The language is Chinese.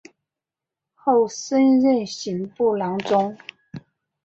后升任刑部郎中。